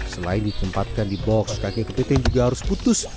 selain ditempatkan di box kakek kepiting juga harus putus